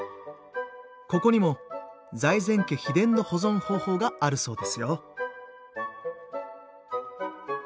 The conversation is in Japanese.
ここにも財前家秘伝の保存方法があるそうですよ。